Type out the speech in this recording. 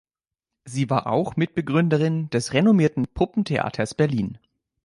Sie war auch Mitbegründerin des renommierten "Puppentheaters Berlin".